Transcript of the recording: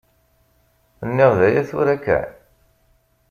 Nniɣ-d aya tura kan?